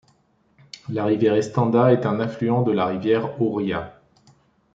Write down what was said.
La rivière Estanda est un affluent de la rivière Oria.